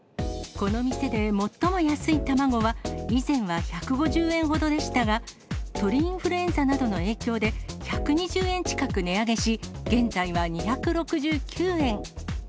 この店で最も安い卵は、以前は１５０円ほどでしたが、鳥インフルエンザなどの影響で、１２０円近く値上げし、現在は２６９円。